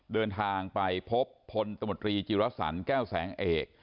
เดินทางไปพบพลตมตรีจิรสันแก้วแสงเอก